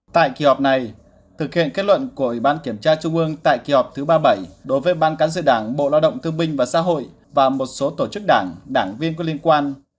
tại kỳ họp này thực hiện kết luận của ủy ban kiểm tra trung ương tại kỳ họp thứ ba mươi bảy đối với ban cán sự đảng bộ lao động thương binh và xã hội và một số tổ chức đảng đảng viên có liên quan